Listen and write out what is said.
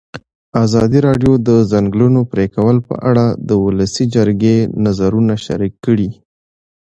ازادي راډیو د د ځنګلونو پرېکول په اړه د ولسي جرګې نظرونه شریک کړي.